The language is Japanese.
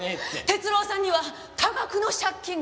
哲郎さんには多額の借金があるの。